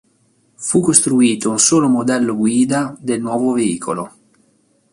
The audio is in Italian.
Fu costruito un solo modello guida del nuovo veicolo.